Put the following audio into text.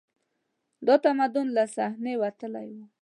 دا تمدن له صحنې وتلی و